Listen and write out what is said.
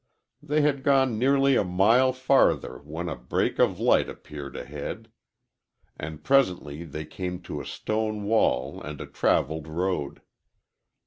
They had gone nearly a mile farther when a break of light appeared ahead, and presently they came to a stone wall and a traveled road.